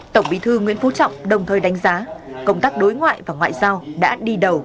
tổng bí thư nguyễn phú trọng đồng thời đánh giá công tác đối ngoại và ngoại giao đã đi đầu